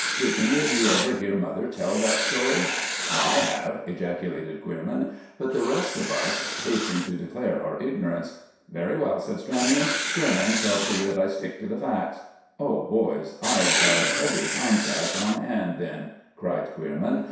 Did any of you ever hear mother tell that story?" "I have!" ejaculated Queerman; but the rest of us hastened to declare our ignorance. "Very well," said Stranion. "Queerman shall see that I stick to the facts." "Oh, boys, I've a heavy contract on hand then," cried Queerman.